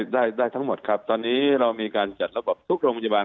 ได้ได้ทั้งหมดครับตอนนี้เรามีการจัดระบบทุกโรงพยาบาล